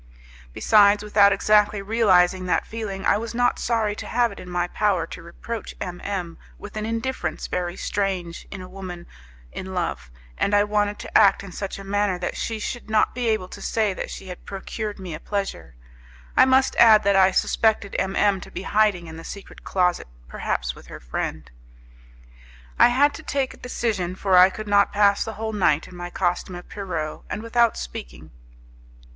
Besides, without exactly realizing that feeling, I was not sorry to have it in my power to reproach M M with an indifference very strange in a woman in love, and I wanted to act in such a manner that she should not be able to say that she had procured me a pleasure. I must add that I suspected M M to be hiding in the secret closet, perhaps with her friend. I had to take a decision, for I could not pass the whole night in my costume of Pierrot, and without speaking.